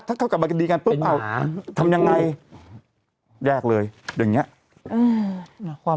ถ้าเขากลับมาดีกันปุ๊บเอาไอ้หมาทำยังไงแยกเลยอย่างเงี้ยอืม